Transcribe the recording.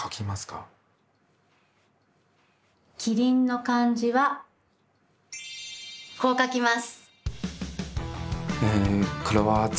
「キリン」の漢字はこう書きます。